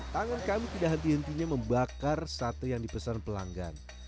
tangan kami tidak henti hentinya membakar sate yang dipesan pelanggan